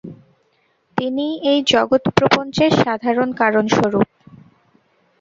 তিনিই এই জগৎপ্রপঞ্চের সাধারণ কারণস্বরূপ।